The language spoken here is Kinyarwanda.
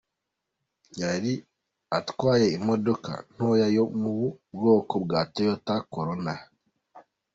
Yari atwaye imodoka ntoya yo mu bwoko bwa Toyota Corona.